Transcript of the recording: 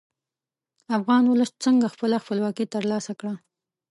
افغان ولس څنګه خپله خپلواکي تر لاسه کړه.